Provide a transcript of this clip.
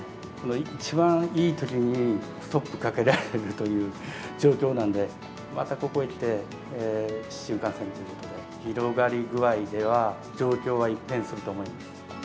一番いいときにストップかけられるという状況なんで、またここへきて、市中感染ということで、広がり具合では、状況が一変すると思いま